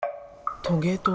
トゲトゲ。